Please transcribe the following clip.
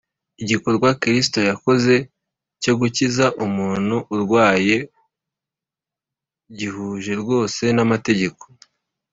Igikorwa Kristo yakoze cyo gukiza umuntu urwaye gihuje rwose n’amategeko